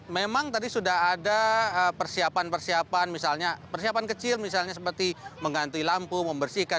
memang tadi sudah ada persiapan persiapan misalnya persiapan kecil misalnya seperti mengganti lampu membersihkan